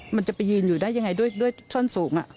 มันจะไปยืนอยู่ได้ยังไงด้วยช่อนสูง